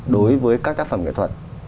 đối với các tác phẩm nghệ thuật